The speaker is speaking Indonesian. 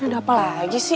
ini ada apa lagi sih